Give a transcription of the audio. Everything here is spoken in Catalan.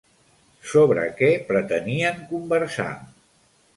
Sobre què pretenien conversar?